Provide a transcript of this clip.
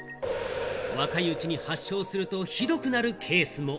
若いうちに発症するとひどくなるケースも。